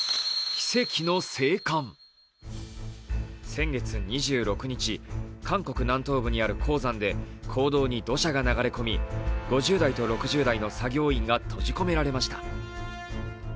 先月２６日、韓国南東部にある鉱山で坑道に土砂が流れ込み、５０代と６０代の作業員が閉じ込められました。